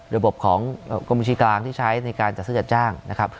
ระบบของกรมชีกลางที่ใช้ในการจัดสืบจัดจ้าง